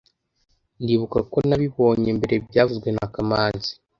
Ndibuka ko nabibonye mbere byavuzwe na kamanzi